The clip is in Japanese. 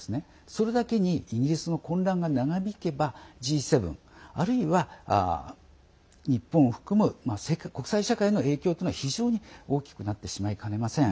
それだけにイギリスの混乱が長引けばＧ７あるいは日本を含む国際社会への影響というのは非常に大きくなってしまいかねません。